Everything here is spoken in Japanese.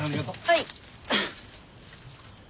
はい。